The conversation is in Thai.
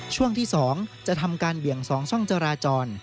ช่วงที่๒จะทำการเบี่ยง๒ช่องจราจร